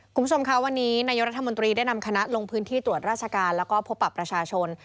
คุณผู้ชมค่ะวันนี้นายกรัฐมนตรีได้นำคณะลงพื้นที่ตรวจราชการแล้วก็พบปรับประชาชน